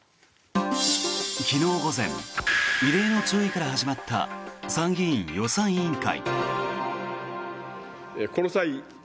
昨日午前異例の注意から始まった参議院予算委員会。